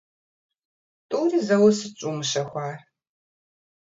ТӀури зэуэ сыт щӀумыщэхуар?